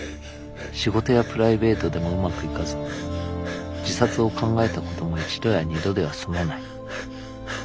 仕事やプライベートでもうまくいかず自殺を考えたことも一度や二度では済まない。